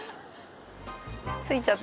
ついちゃった。